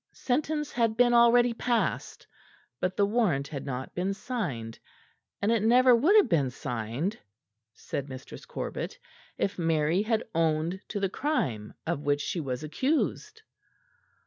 Sentence had been already passed, but the warrant had not been signed; and it never would have been signed, said Mistress Corbet, if Mary had owned to the crime of which she was accused.